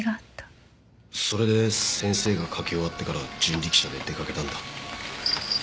それで先生が書き終わってから人力車で出かけたんだ。